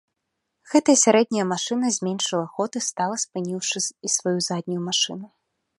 Гэтая сярэдняя машына зменшыла ход і стала, спыніўшы і сваю заднюю машыну.